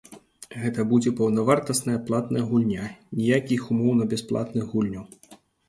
Гэта будзе паўнавартасная платная гульня, ніякіх умоўна-бясплатных гульняў.